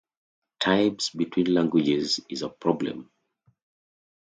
Types between languages is a problem